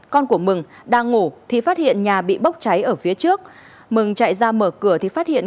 con của mừng đang ngủ thì phát hiện nhà bị bốc cháy ở phía trước mừng chạy ra mở cửa thì phát hiện